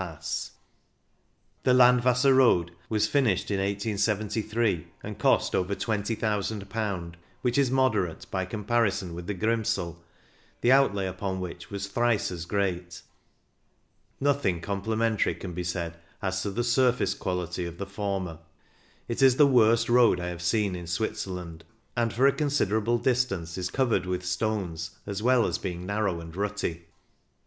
163 154 CYCLING IN THE ALPS The Landwasser Road was finished in 1873, smd cost over ;^20,ooo, which is moderate by comparison with the Grimsel, the outlay upon which was thrice as great Nothing complimentary can be said as to the surface quality of the former ; it is the worst road I have seen in Switzerland, and for a considerable distance is covered with stones, as well as being narrow and rutty.